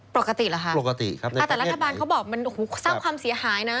ปกติเหรอคะปกติครับแต่รัฐบาลเขาบอกมันโอ้โหสร้างความเสียหายนะ